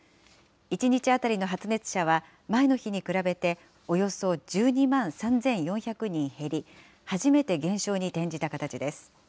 １日当たりの発熱者は、前の日に比べておよそ１２万３４００人減り、初めて減少に転じた形です。